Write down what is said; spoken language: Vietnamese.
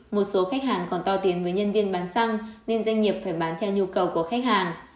một số khách hàng còn to tiền với nhân viên bán xăng nên doanh nghiệp phải bán theo nhu cầu của khách hàng